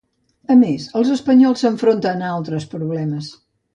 A més, els espanyols s'enfronten a altres problemes.